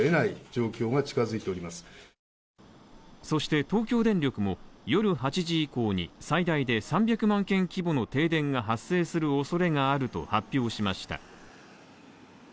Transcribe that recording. そして、東京電力も夜８時以降に最大で３０００万軒規模の停電が発生するおそれがあると発表しました。